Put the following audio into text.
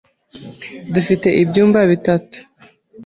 Dufite ibyumba bitatu.